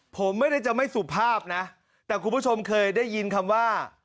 ผมไม่ได้จะไม่สุภาพนะแต่คุณผู้ชมเคยได้ยินคำว่า